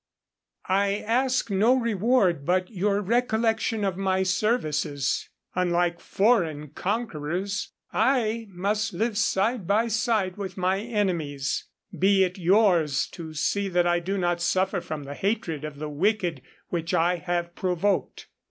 _I ask no reward but your recollection of my services. Unlike foreign conquerors, I must live side by side with my enemies; be it yours to see that I do not suffer from the hatred of the wicked which I have provoked.